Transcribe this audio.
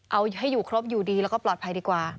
เอาให้อยู่ครบอยู่ดีแล้วก็ปลอดภัยดีกว่า